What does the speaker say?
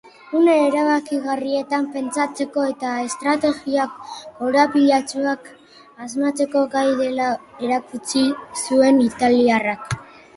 Une erabakigarrietan pentsatzeko eta estrategia korapilatsuak asmatzeko gai dela erakutsi zuen italiarrak.